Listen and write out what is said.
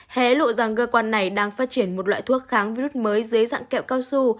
hé lộ rằng cơ quan này đang phát triển một loại thuốc kháng virus mới dưới dạng kẹo cao su